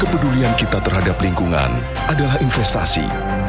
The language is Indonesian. kepedulian kita terhadap lingkungan adalah investasi